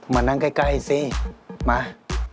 มานั่งใกล้สิมา